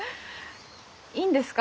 いいんですか？